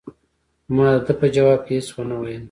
ما د ده په ځواب کې هیڅ ونه ویل.